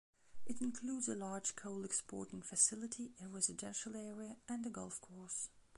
It includes a large coal exporting facility, a residential area, and a golf course.